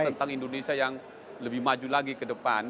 tentang indonesia yang lebih maju lagi ke depan